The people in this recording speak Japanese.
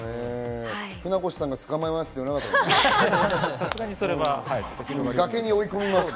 船越さんが捕まえますって言わなかったのかな？